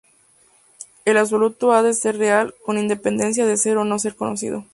El Absoluto ha de ser real; con independencia de ser o no ser conocido.